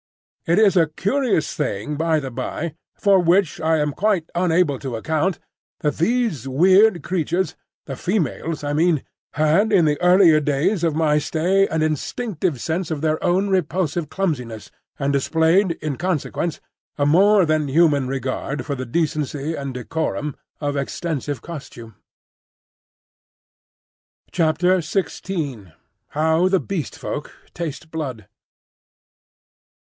It is a curious thing, by the bye, for which I am quite unable to account, that these weird creatures—the females, I mean—had in the earlier days of my stay an instinctive sense of their own repulsive clumsiness, and displayed in consequence a more than human regard for the decency and decorum of extensive costume. XVI. HOW THE BEAST FOLK TASTE BLOOD.